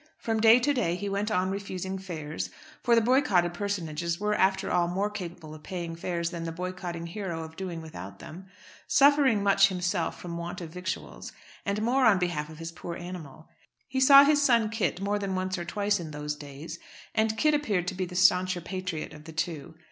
From day to day he went on refusing fares, for the boycotted personages were after all more capable of paying fares than the boycotting hero of doing without them, suffering much himself from want of victuals, and more on behalf of his poor animal. He saw his son Kit more than once or twice in those days, and Kit appeared to be the stancher patriot of the two.